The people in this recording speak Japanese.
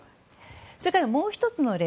それからもう１つの例